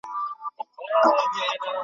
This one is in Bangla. মনে আছে সে ব্যাপারে কিছু?